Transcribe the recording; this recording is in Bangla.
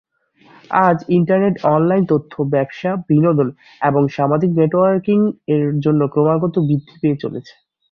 আজ ইন্টারনেট অনলাইন তথ্য, ব্যবসা, বিনোদন এবং সামাজিক নেটওয়ার্কিং এর জন্য ক্রমাগত বৃদ্ধি পেয়ে চলেছে।